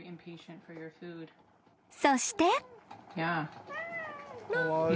［そして］